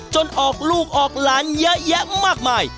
ออกลูกออกหลานเยอะแยะมากมาย